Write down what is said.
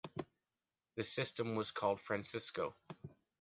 This system was called Francisco.